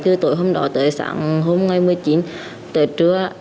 từ tối hôm đó tới sáng hôm ngày một mươi chín tới trưa